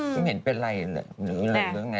ไม่เห็นเป็นไรหรืออะไร